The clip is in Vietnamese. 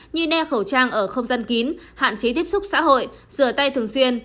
như ne khẩu trang ở không dân kín hạn chế tiếp xúc xã hội rửa tay thường xuyên